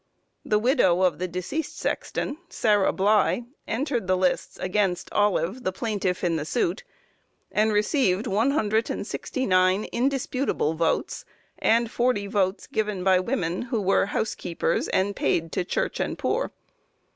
The widow of the deceased sexton (Sarah Bly) entered the lists against Olive, the plaintiff in the suit, and received 169 indisputable votes, and 40 votes given by women who were "housekeepers, and paid to church and poor."